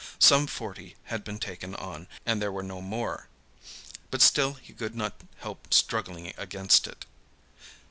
Some forty had been taken on, and there were no more. But still he could not help struggling against it.